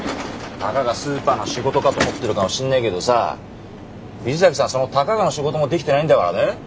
たかがスーパーの仕事かと思ってるかもしんねえけどさ藤崎さんその「たかが」の仕事もできてないんだからね。